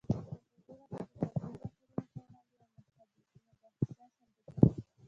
ازادي راډیو د د جګړې راپورونه پر وړاندې یوه مباحثه چمتو کړې.